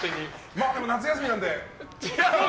まあ、でも夏休みなので。